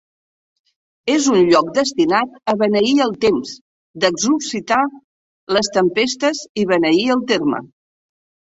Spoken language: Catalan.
És un lloc destinat a beneir el temps, d'exorcitzar les tempestes i beneir el terme.